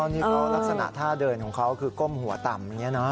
นี่เขาลักษณะท่าเดินของเขาคือก้มหัวต่ำอย่างนี้นะ